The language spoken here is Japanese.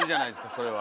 それは。